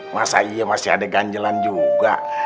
masa iya masih ada ganjelan juga